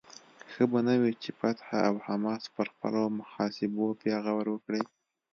ښه به نه وي چې فتح او حماس پر خپلو محاسبو بیا غور وکړي؟